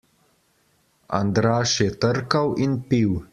Andraž je trkal in pil.